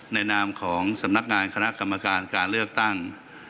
นามของสำนักงานคณะกรรมการการเลือกตั้ง